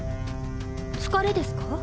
疲れですか？